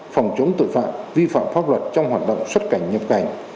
phòng chống tội phạm vi phạm pháp luật trong hoạt động xuất cảnh nhập cảnh